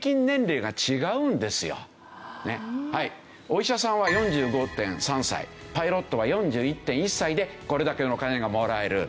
お医者さんは４５．３歳パイロットは４１．１歳でこれだけのお金がもらえる。